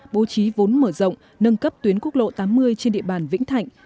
bố trí vốn mở rộng nâng cấp tuyến quốc lộ tám mươi trên địa bàn vĩnh thạnh